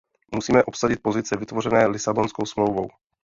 Musíme obsadit pozice vytvořené Lisabonskou smlouvou.